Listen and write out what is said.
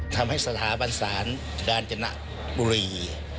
ทำให้สถาบันศาลกาญจนบุรี